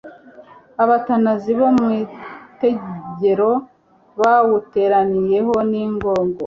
Abatanazi bo mu itegero bawuteraniyeho n'ingogo,